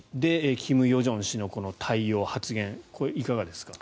金与正氏の対応の発言ですが。